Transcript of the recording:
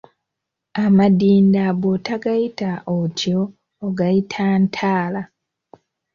Amadinda bwotagayita otyo ogayita Ntaala.